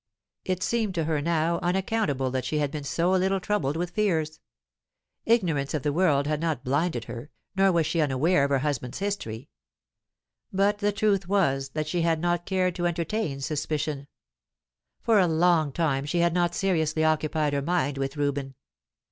It seemed to her now unaccountable that she had been so little troubled with fears. Ignorance of the world had not blinded her, nor was she unaware of her husband's history. But the truth was that she had not cared to entertain suspicion. For a long time she had not seriously occupied her mind with Reuben.